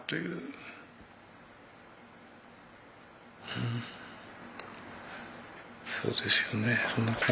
うんそうですよね。